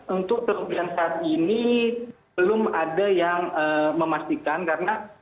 untuk kemudian saat ini belum ada yang memastikan karena